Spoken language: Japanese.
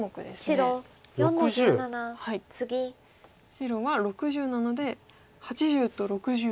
白は６０なので８０と６０で。